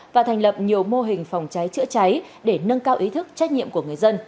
và thành lập nhiều mô hình phòng cháy chữa cháy để nâng cao ý thức trách nhiệm của người dân